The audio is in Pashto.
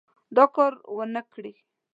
دا کار ونه کړي.